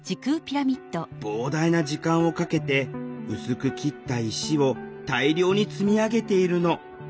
膨大な時間をかけて薄く切った石を大量に積み上げているの。